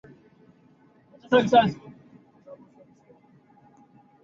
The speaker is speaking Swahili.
Ile kofia ni ghali sana.